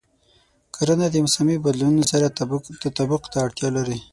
کرنه د موسمي بدلونونو سره تطابق ته اړتیا لري.